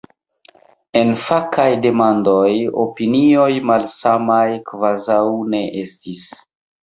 En fakaj demandoj opinioj malsamaj kvazaŭ ne estis.